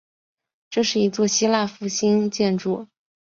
这是一座希腊复兴建筑。